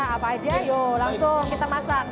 apa aja yuk langsung kita masak